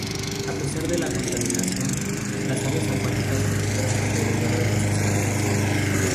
A pesar de la contaminación, las aves acuáticas prosperan alrededor de los estanques.